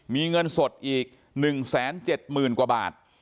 มีเงินสดอีก๑แสน๗หมื่นกว่าบาท